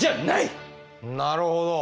なるほど。